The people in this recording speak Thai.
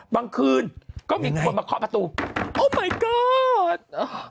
บางคืนก็มีคนมาเคาะประตูโอ้มายก็อด